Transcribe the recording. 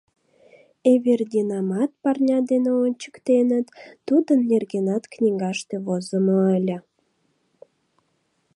Эвердинамат парня дене ончыктеныт: тудын нергенат книгаште возымо ыле.